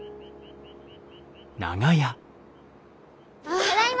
ただいま！